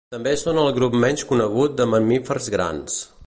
També són el grup menys conegut de mamífers grans.